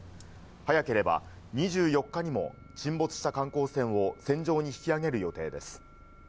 早ければ２４日にも、沈没した観光船を船上に引き揚げる予定です。